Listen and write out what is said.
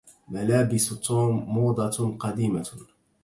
ملابس توم موضة قديمة.